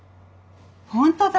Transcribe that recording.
本当だ！